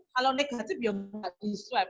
kalau negatif ya nggak diswep